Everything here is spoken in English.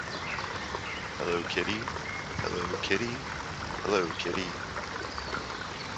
Hello, kitty. Hello, kitty. Hello, kitty.